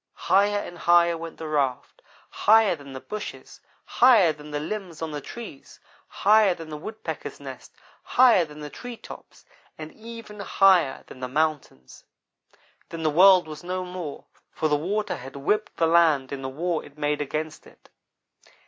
"Higher and higher went the raft; higher than the bushes; higher than the limbs on the trees; higher than the Woodpecker's nest; higher than the tree tops, and even higher than the mountains. Then the world was no more, for the water had whipped the land in the war it made against it.